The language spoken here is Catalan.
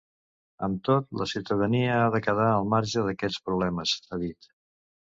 “Amb tot, la ciutadania ha de quedar al marge d’aquests problemes”, ha dit.